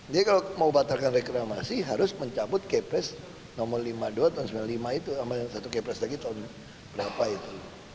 dia kalau mau batalkan reklamasi harus mencabut kepres nomor lima puluh dua tahun seribu sembilan ratus sembilan puluh lima itu sama satu kepres lagi tahun berapa itu